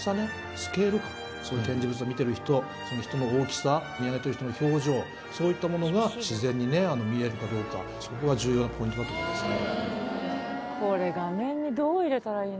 スケール感その展示物を見てる人その人の大きさ見上げてる人の表情そういったものが自然に見えるかどうかそこが重要なポイントだと思いますね。